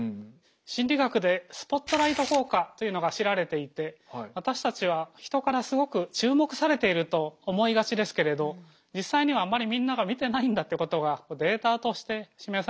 心理学でスポットライト効果というのが知られていて私たちは人からすごく注目されていると思いがちですけれど実際にはあんまりみんなが見てないんだってことがデータとして示されています。